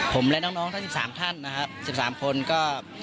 ผมและน้องทั้ง๑๓ท่านนะครับ๑๓คนก็